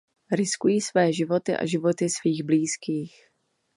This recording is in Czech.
Riskují své životy a životy svých blízkých.